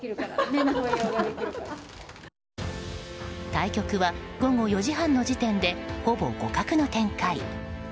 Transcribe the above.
対局は午後４時半の時点でほぼ互角の展開。